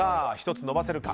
１つ伸ばせるか。